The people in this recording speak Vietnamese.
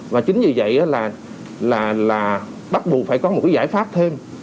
và chính vì vậy là bắt buộc phải có một cái giải pháp thêm